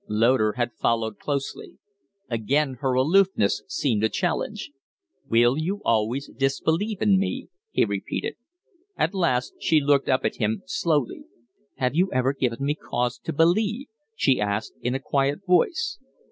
Loder had followed closely. Again her aloofness seemed a challenge. "Will you always disbelieve in me?" he repeated. At last she looked up at him, slowly. "Have you ever given me cause to believe!" she asked, in a quiet voice.